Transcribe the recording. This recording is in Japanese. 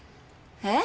え？